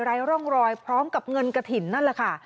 ไร้ร่องรอยพร้อมกับเงินกระถิ่นนั่นแหละค่ะ